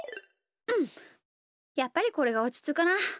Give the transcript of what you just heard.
うんやっぱりこれがおちつくな。